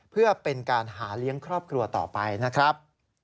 เพื่อเป็นการหาเลี้ยงครอบครัวต่อไปนะครับ